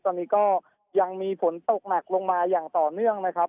ตอนนี้ก็ยังมีฝนตกหนักลงมาอย่างต่อเนื่องนะครับ